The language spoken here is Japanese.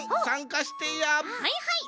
はいはい！